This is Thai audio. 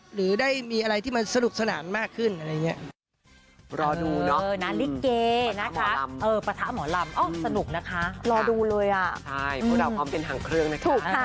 หรือได้มีอะไรที่มันสนุกสนานมากขึ้นอะไรอย่างนี้